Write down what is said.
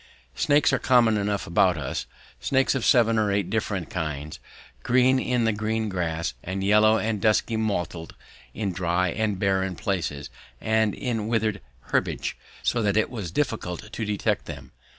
Snakes were common enough about us; snakes of seven or eight different kinds, green in the green grass, and yellow and dusky mottled in dry and barren places and in withered herbage, so that it was difficult to detect them.